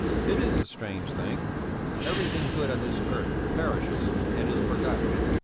It is a strange thing. Everything good on this earth perishes and is forgotten.